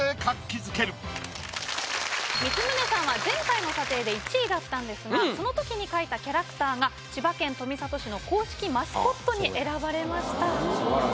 光宗さんは前回の査定で１位だったんですがそのときに描いたキャラクターが千葉県富里市の公式マスコットに選ばれました。